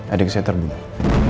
adik saya terbunuh